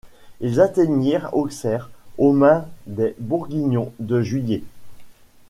Ils atteignirent Auxerre aux mains des Bourguignons le juillet.